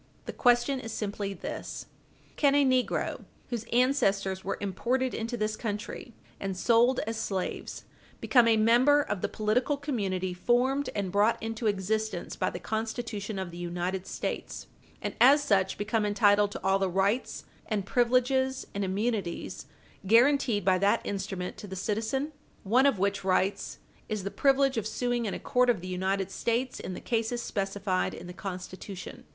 The question is simply this: can a negro whose ancestors were imported into this country and sold as slaves become a member of the political community formed and brought into existence by the Constitution of the United States, and as such become entitled to all the rights, and privileges, and immunities, guarantied by that instrument to the citizen, one of which rights is the privilege of suing in a court of the United States in the cases specified in the Constitution?